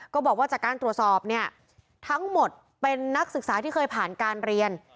ก็บอกว่าจากการตรวจสอบเนี่ยทั้งหมดเป็นนักศึกษาที่เคยผ่านการเรียน